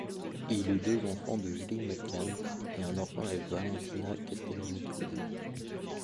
Il eut deux enfants de Julie McCann et un enfant avec Valentina Castellani-Quinn.